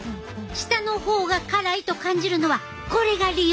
下の方が辛いと感じるのはこれが理由やねん！